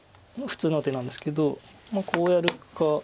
普通の手なんですけどこうやるか。